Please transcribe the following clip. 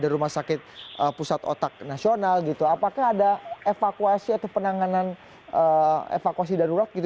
rumah sakit pusat otak nasional apakah ada evakuasi atau penanganan evakuasi darurat